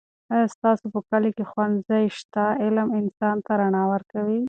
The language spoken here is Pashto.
آیا ستاسو په کلي کې ښوونځی شته؟ علم انسان ته رڼا ورکوي.